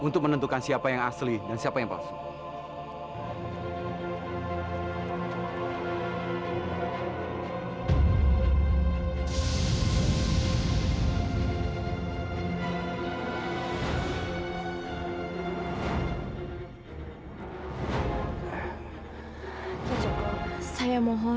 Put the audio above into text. tolong tolong selamatkan aku ki